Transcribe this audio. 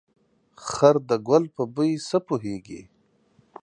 خر ده ګل په بوی څه پوهيږي.